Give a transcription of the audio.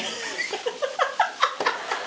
ハハハハ！